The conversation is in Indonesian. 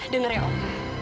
dengar ya om